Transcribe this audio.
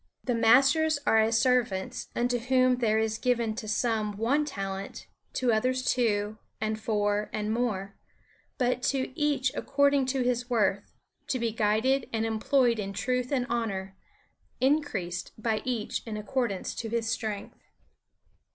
The masters are as servants unto whom there is given to some one talent, to others two, and four, and more, but to each according to his worth, to be guided and employed in truth and honor; increased by each in accordance to his strength.